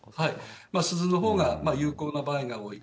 鈴のほうが有効な場合が多い。